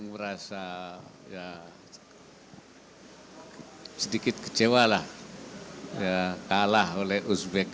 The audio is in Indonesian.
saya merasa sedikit kecewa lah kalah oleh uzbek